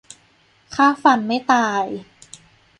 ฆ่าฟันไม่ตาย